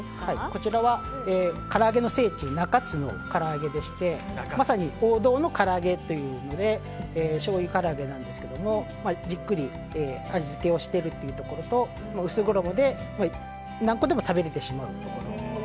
こちらは唐揚げの聖地・中津の唐揚げでしてまさに王道の唐揚げというのでしょうゆ唐揚げなんですがじっくり味付けをしているというところと薄衣で何個でも食べれてしまうというところ。